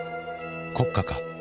国家か？